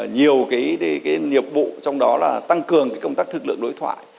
nhiều nhiệm vụ trong đó là tăng cường công tác thực lượng đối thoại